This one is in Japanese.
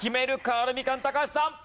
アルミカン高橋さん。